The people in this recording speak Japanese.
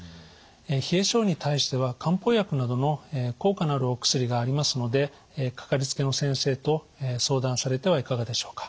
冷え性に対しては漢方薬などの効果のあるお薬がありますのでかかりつけの先生と相談されてはいかがでしょうか。